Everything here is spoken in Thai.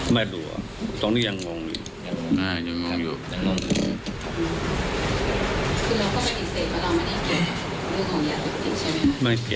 แค่ไหนสักครั้งไหล